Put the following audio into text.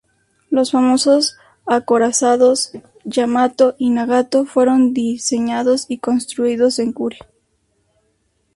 Los famosos acorazados "Yamato" y "Nagato" fueron diseñados y construidos en Kure.